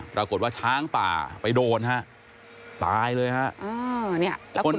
ปรากฏว่าช้างป่าไปโดนฮะตายเลยฮะ